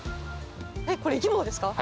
えっこれ生き物ですか？